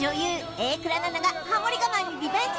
榮倉奈々がハモリ我慢にリベンジ